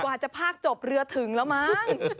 กว่าจะพากจบเรือถึงแล้วมั้ง